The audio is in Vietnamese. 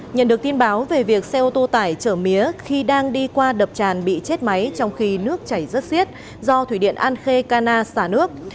nhận được tin báo về việc xe ô tô tải chở mía khi đang đi qua đập tràn bị chết máy trong khi nước chảy rất xiết do thủy điện an khê cana xả nước